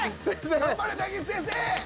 頑張れ大吉先生！